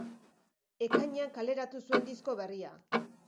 Ekainean kaleratu zuen disko berria.